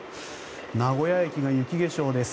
名古屋行きが雪化粧です。